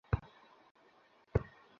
আমি মাকে আগেই জানিয়েছি।